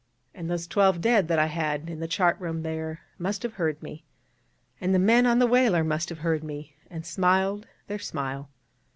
_' And those twelve dead that I had in the chart room there must have heard me, and the men on the whaler must have heard me, and smiled their smile.